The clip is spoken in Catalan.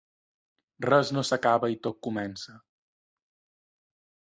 Res no s’acaba i tot comença.